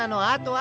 あ！